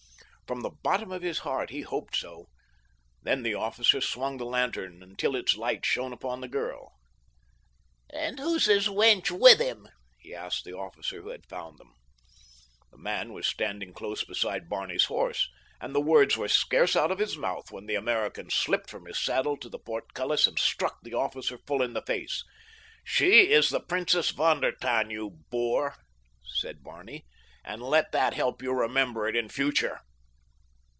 From the bottom of his heart he hoped so. Then the officer swung the lantern until its light shone upon the girl. "And who's the wench with him?" he asked the officer who had found them. The man was standing close beside Barney's horse, and the words were scarce out of his month when the American slipped from his saddle to the portcullis and struck the officer full in the face. "She is the Princess von der Tann, you boor," said Barney, "and let that help you remember it in future."